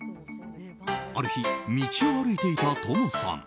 ある日、道を歩いていたトモさん。